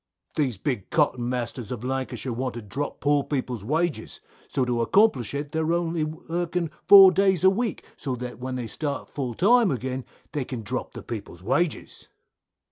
Jack. These big cotton masters of Lancashire want to drop poor people's wages, so to accomplish it they're only working four days a week, so that when they start full time again, they can drop the people's wages.